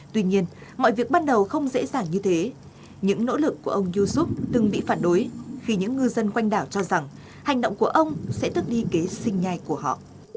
tuy nhiên mọi việc ban đầu không dễ dàng như thế những nỗ lực của ông youjub từng bị phản đối khi những ngư dân quanh đảo cho rằng hành động của ông sẽ tức đi kế sinh nhai của họ